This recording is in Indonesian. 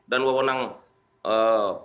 dan wawonang pembentukan